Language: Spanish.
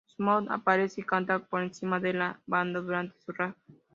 Smooth T. aparece y canta por encima de la banda durante su rap.